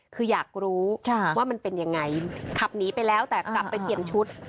คืออยากรู้ว่ามันเป็นยังไงขับหนีไปแล้วแต่กลับไปเปลี่ยนชุด